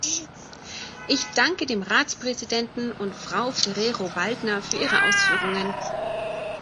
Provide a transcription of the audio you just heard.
Ich danke dem Ratspräsidenten und Frau Ferrero-Waldner für ihre Ausführungen.